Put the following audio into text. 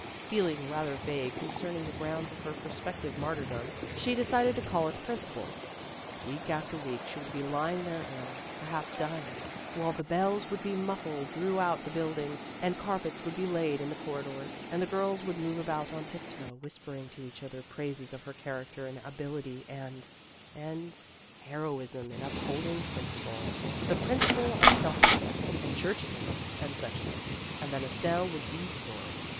Feeling rather vague concerning the grounds of her prospective martyrdom, she decided to call it princi ple. Week after week she would be lying there ill perhaps dying while the bells would be muffled throughout the building, and carpets would be laid in the corridors, and the girls would move about on tiptoe, whispering to each other praises of her character and ability and and heroism in upholding principle the principle of self respect and church attendance and such things, and then Estelle would be sorry.